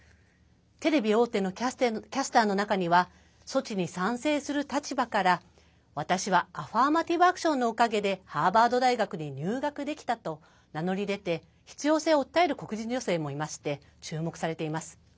テレビ大手のキャスターの中には措置に賛成する立場から私は、アファーマティブ・アクションのおかげでハーバード大学に入学できたと名乗り出て必要性を訴える黒人女性もいて注目されています。